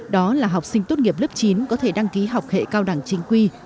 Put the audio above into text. đó là học sinh tốt nghiệp lớp chín có thể đăng ký học hệ cao đẳng chính quy